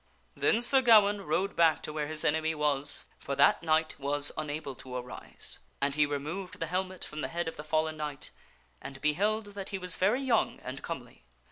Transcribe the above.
Then Sir Gawaine rode back to where his enemy was (for that knight was unable to arise), and he removed the helmet from the head of the fallen knight and beheld that he was very young and comely.